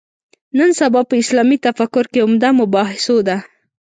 نن سبا په اسلامي تفکر کې عمده مباحثو ده.